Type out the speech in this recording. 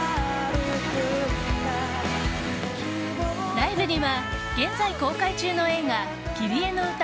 ライブには現在公開中の映画「キリエのうた」